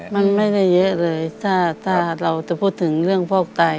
มันไม่ได้เยอะเลยถ้าเราจะพูดถึงเรื่องฟอกไต